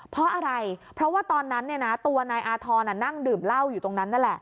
เพราะอะไรเพราะว่าตอนนั้นตัวนายอาธรณ์นั่งดื่มเหล้าอยู่ตรงนั้นนั่นแหละ